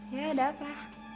ya ada apa